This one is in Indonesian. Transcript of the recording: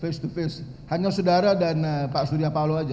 face to face hanya sedara dan pak surya paloh saja